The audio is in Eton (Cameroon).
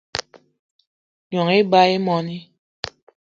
Gnong ebag í moní